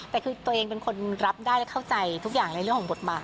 แต่คือตัวเองเป็นคนรับได้และเข้าใจทุกอย่างในเรื่องของบทบาท